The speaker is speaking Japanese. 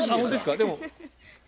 でも。